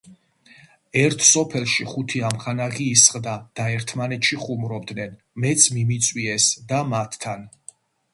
ერთ სოფელში, ხუთი ამხანაგი ისხდა და ერთმანეთში ხუმრობდნენ. მეც მიმიწვიეს და მათთან